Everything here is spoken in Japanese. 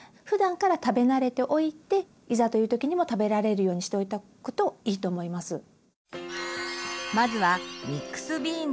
ふだんから食べ慣れておいていざという時にも食べられるようにしておくといいと思います。